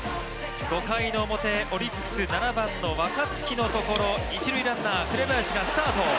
５回の表、オリックス、７番の若月のところ、一塁ランナー・紅林がスタート。